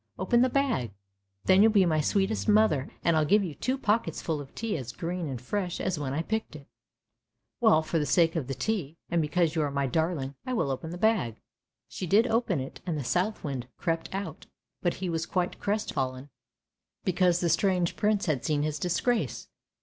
Open the bag! then you'll be my sweetest mother, and I'll give you two pockets full of tea as green and fresh as when I picked it! "" Well, for the sake of the tea, and because you are my darling, I will open my bag! " She did open it and the Southwind crept out, but he was quite crestfallen because the strange Prince had seen his disgrace.